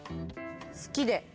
「好き」で。